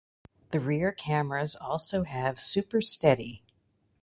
The rear cameras also have Super Steady.